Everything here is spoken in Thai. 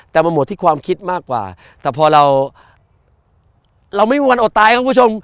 แต่มันหมดที่ความคิดมากกว่าแต่พอเราเราไม่มีวันอดตายครับคุณผู้ชม